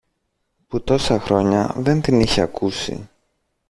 που τόσα χρόνια δεν την είχε ακούσει.